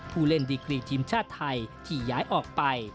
ผู้เล่นดีกรีทีมชาติไทยที่ย้ายออกไป